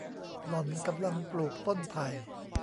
หล่อนกำลังปลูกต้นไผ่